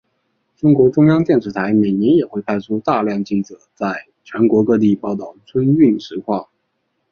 中国中央电视台每年也会派出大量记者在全国各地报道春运实况。